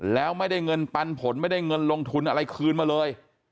แล้วไม่ได้เงินปันผลไม่ได้เงินลงทุนอะไรคืนมาเลย